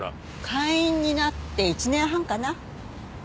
会員になって１年半かな。